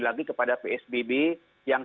lagi kepada psbb yang